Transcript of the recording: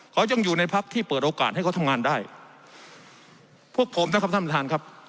เขายังอยู่ในพักที่เปิดโอกาสให้เขาทำงานได้พวกผมนะครับท่านประธานครับ